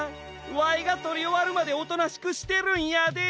わいがとりおわるまでおとなしくしてるんやで。